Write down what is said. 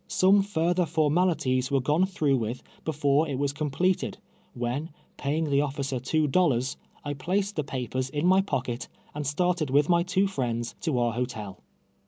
Some further formalities were gone through with before it was completed, when, paying the officer two dollai s, I placed the papers in my pocket, and started with my two friends to our hotel.